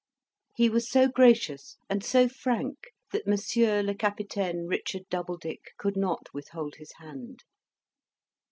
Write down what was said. He was so gracious and so frank that Monsieur le Capitaine Richard Doubledick could not withhold his hand.